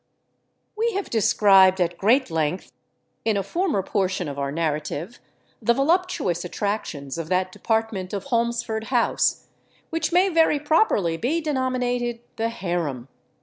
We have described at great length, in a former portion of our narrative, the voluptuous attractions of that department of Holmesford House which may very properly be denominated "the harem."